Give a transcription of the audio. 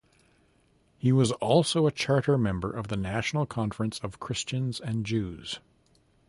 He was also a charter member of the National Conference of Christians and Jews.